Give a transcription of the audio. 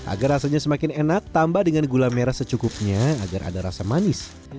agar rasanya semakin enak tambah dengan gula merah secukupnya agar ada rasa manis